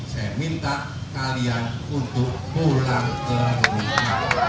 saya minta kalian untuk pulang ke indonesia